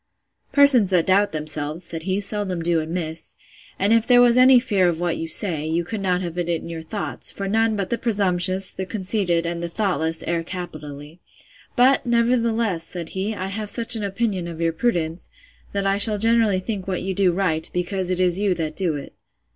Persons that doubt themselves, said he, seldom do amiss: And if there was any fear of what you say, you could not have it in your thoughts: for none but the presumptuous, the conceited, and the thoughtless, err capitally. But, nevertheless, said he, I have such an opinion of your prudence, that I shall generally think what you do right, because it is you that do it.